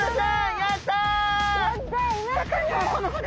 やった！